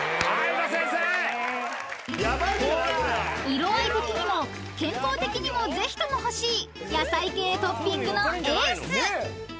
［色合い的にも健康的にもぜひとも欲しい野菜系トッピングのエース］